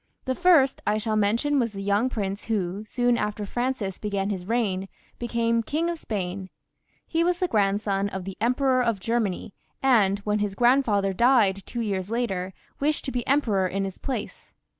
The first I shall mention was the young prince who, sdon after Francis began his reign, became King of Spain. He was the grandson of the Emperor of Germany, and when his grandfather died two years later, wished to be emperor in his place.